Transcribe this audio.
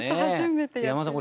山田さん